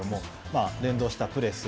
連動したプレス。